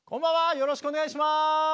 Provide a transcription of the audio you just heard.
よろしくお願いします！